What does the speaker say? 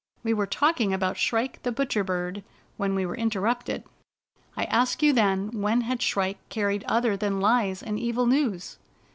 We were talking about Shrike the Butcher Bird when we were interrupted. I asked you then when had Shrike carried other than lies and evil news."